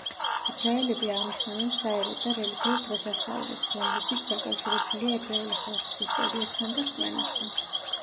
ებრაელები აღნიშნავენ საერო და რელიგიურ დღესასწაულებს, რომლებიც დაკავშირებულია ებრაელი ხალხის ისტორიასთან და რწმენასთან.